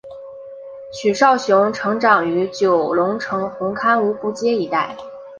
许绍雄成长于九龙城红磡芜湖街一带。